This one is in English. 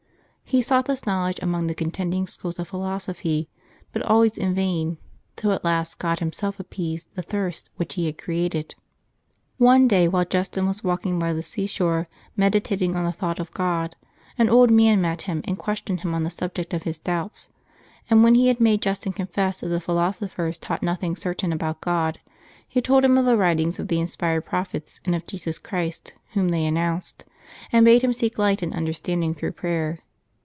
He sought this knowledge among the contending schools of philosophy, but always in vain, till at last God himself appeased the thirst which He had created. One day, while Justin was walking by the seashore, meditating on the thought of God, an old man met him and questioned him on the subject of his doubts; and when he had made Justin confess that the philosophers taught nothing certain about God, he told him of the writings of the inspired prophets and of Jesus Christ Whom they announced, and bade him seek light and understanding through prayer.